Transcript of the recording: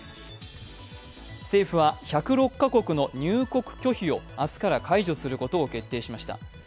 政府は１０６カ国の入国拒否を明日から解除することを決定しました。